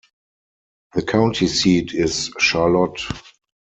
The county seat is Charlotte.